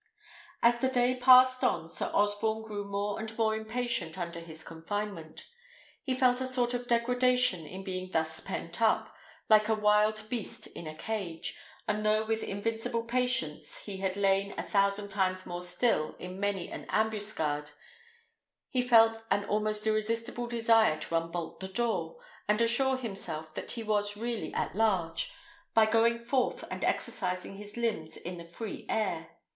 As the day passed on, Sir Osborne grew more and more impatient under his confinement. He felt a sort of degradation in being thus pent up, like a wild beast in a cage; and though with invincible patience he had lain a thousand times more still in many an ambuscade, he felt an almost irresistible desire to unbolt the door, and assure himself that he was really at large, by going forth and exercising his limbs in the free air.